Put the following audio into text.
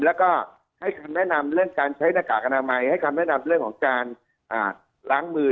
แล้วก็ให้คำแนะนำเรื่องการใช้หน้ากากอนามัยให้คำแนะนำเรื่องของการล้างมือ